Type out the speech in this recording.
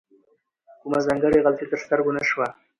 کومه ځانګړې غلطي تر سترګو نه شوه.